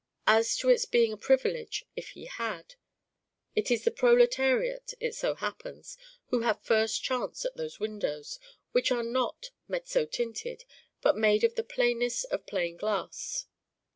As to its being a privilege if he had: it is the proletariat, it so happens, who have first chance at those windows, which are not mezzo tinted but made of the plainest of plain glass.